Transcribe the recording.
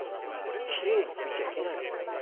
奇麗に拭いちゃいけないんですね